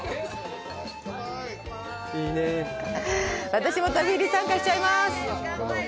私も飛び入り参加しちゃいます！